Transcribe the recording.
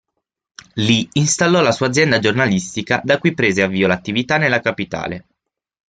Lì installò la sua "Azienda giornalistica" da cui prese avvio l'attività nella Capitale.